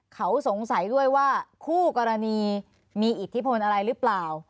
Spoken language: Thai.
เขาสงสัยด้วยว่าคู่กรณีมีอิทธิพลอะไรหรือเปล่า